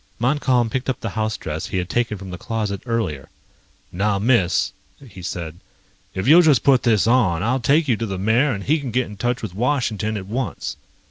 Montcalm picked up the house dress he had taken from the closet earlier. "Now, Miss," he said, "if you'll just put this on, I'll take you to the mayor and he can get in touch with Washington at once."